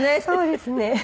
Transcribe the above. そうですね。